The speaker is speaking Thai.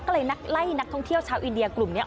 ก็เลยไล่นักท่องเที่ยวชาวอินเดียกลุ่มนี้